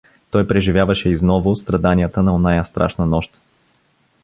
Той преживяваше изново страданията на оная страшна нощ.